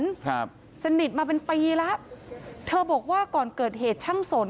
ครับสนิทมาเป็นปีแล้วเธอบอกว่าก่อนเกิดเหตุช่างสน